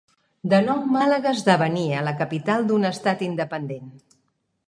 De nou Màlaga esdevenia la capital d'un estat independent.